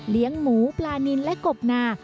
เลี้ยงหมูปลานินและกบนา